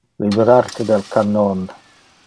Liberar te del cannon.